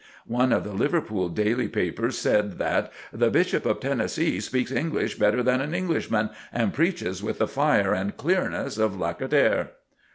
One of the Liverpool daily papers said that "the Bishop of Tennessee speaks English better than an Englishman and preaches with the fire and clearness of Lacordaire."